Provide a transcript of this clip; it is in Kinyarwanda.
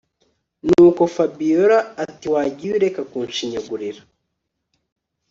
nuko Fabiora atiwagiye ureka kunshinyagurira